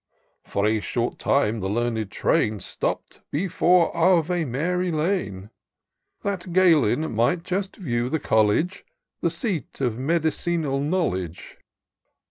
For a short time, the learned train Stopp'd before Ave Mary Lane, That Galen might just view the College, The seat of medicinal knowledge.